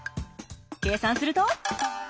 計算すると。